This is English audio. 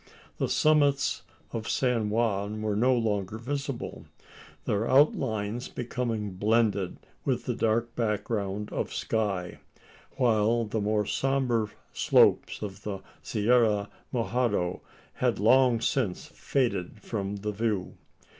The summits of San Juan were no longer visible their outlines becoming blended with the dark background of sky; while the more sombre slopes of the Sierra Mojada had long since faded from the view.